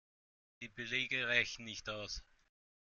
Die Belege reichen nicht aus.